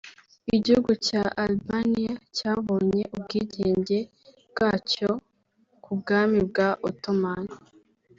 Igihugu cya Albania cyabonye ubwigenge bwacxyo ku bwami bwa Ottoman